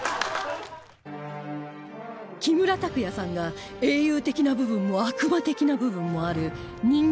木村拓哉さんが英雄的な部分も悪魔的な部分もある人間